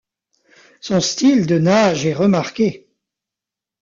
Son style de nage est remarqué.